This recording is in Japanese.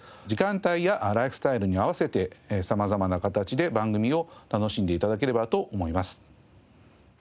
時間帯やライフスタイルに合わせて様々な形で番組を楽しんで頂ければと思います。